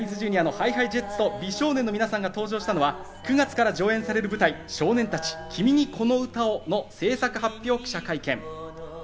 ジャニーズＪｒ．のＨｉＨｉＪｅｔｓと美少年の皆さんが登場したのは９月から上演される舞台『少年たち君にこの歌を』の制作発表記者会見。